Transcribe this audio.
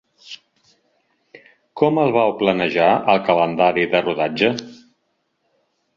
Com el vau planejar, el calendari de rodatge?